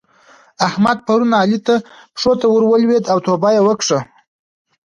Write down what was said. احمد پرون علي ته پښو ته ور ولېد او توبه يې وکښه.